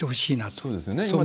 そうですよね。